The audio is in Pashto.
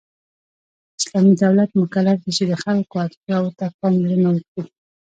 اسلامی دولت مکلف دی چې د خلکو اړتیاوو ته پاملرنه وکړي .